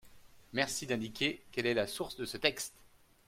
Merci d’indiquer quelle est la source de ce texte .